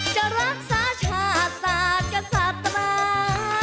จะรักษาชาติศาสตร์กษาตรา